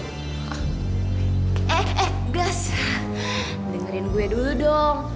hah eh eh blas dengerin gue dulu dong